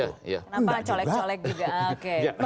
kenapa colek colek juga